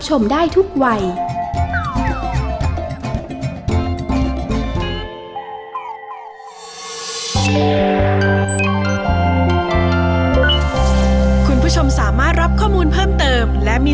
เฟคกี้ก็โหลดแล้วค่ะ